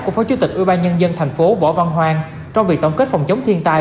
của phó chủ tịch ưu ba nhân dân tp võ văn hoang trong việc tổng kết phòng chống thiên tai